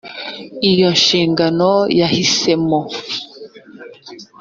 iyo nshingano yahisemo